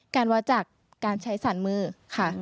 การวาดจักรการใช้สันมือค่ะ